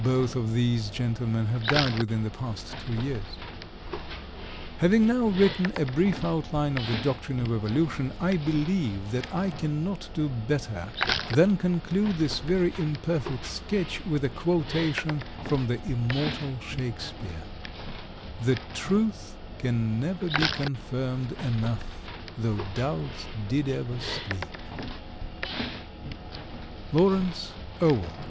Both of these gentlemen have died within the past two years. Having now written a brief outline of the doctrine of Evolution, I believe that I cannot do better than conclude this very imperfect sketch with a quotation from the immortal Shakespeare: "The truth can never be confirmed enough, Though doubts did ever sleep." Lawrence Irwell.